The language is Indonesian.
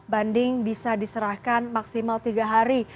banding bisa diserahkan maksimal tiga hari